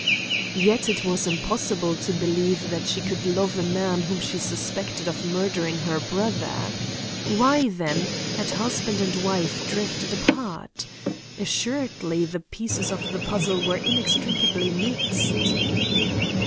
Yet it was impossible to believe that she could love a man whom she suspected of murdering her brother. Why, then, had husband and wife drifted apart? Assuredly the pieces of the puzzle were inextricably mixed.